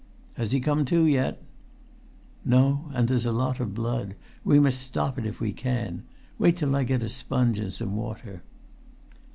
"Has he come to yet?" "No, and there's a lot of blood. We must stop it if we can. Wait till I get a sponge and some water."